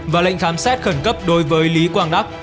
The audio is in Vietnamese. và lệnh khám xét khẩn cấp đối với lý quang đắc